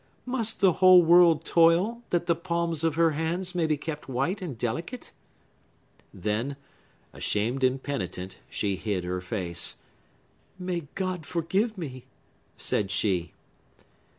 Must the whole world toil, that the palms of her hands may be kept white and delicate?" Then, ashamed and penitent, she hid her face. "May God forgive me!" said she.